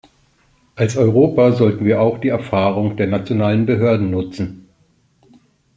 Als Europa sollten wir auch die Erfahrung der nationalen Behörden nutzen.